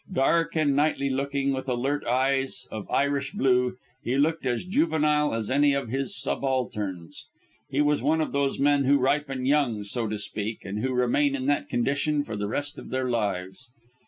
Dark and knightly looking, with alert eyes of Irish blue, he looked as juvenile as any of his subalterns. He was one of those men who ripen young, so to speak, and who remain in that condition for the rest of their lives.